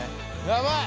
やばい！